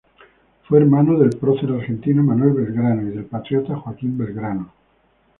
Fue hermano del prócer argentino Manuel Belgrano y del patriota Joaquín Belgrano.